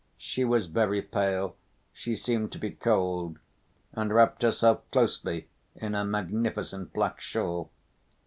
She was very pale, she seemed to be cold, and wrapped herself closely in her magnificent black shawl.